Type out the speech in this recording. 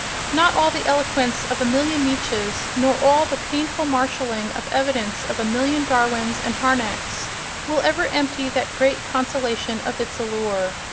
Not all the eloquence of a million Nietzsches, nor all the painful marshalling of evidence of a million Darwins and Harnacks, will ever empty that great consolation of its allure.